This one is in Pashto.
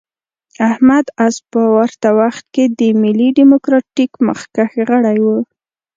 احمد عز په ورته وخت کې د ملي ډیموکراتیک مخکښ غړی و.